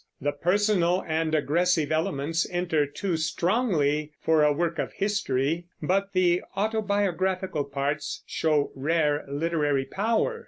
The personal and aggressive elements enter too strongly for a work of history; but the autobiographical parts show rare literary power.